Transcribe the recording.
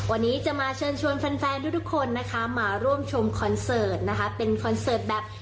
วันนี้จะมาเชิญชวนแฟนทุกคนนะคะมาร่วมชมคอนเสิร์ตนะคะเป็นคอนเสิร์ตแบบ